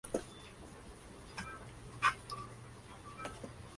La cuarta mudanza se realiza a Villa Martelli, en la ubicación de la Av.